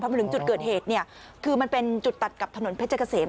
มาถึงจุดเกิดเหตุเนี่ยคือมันเป็นจุดตัดกับถนนเพชรเกษม